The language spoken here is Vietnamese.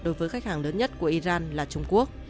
đối với khách hàng lớn nhất của iran là trung quốc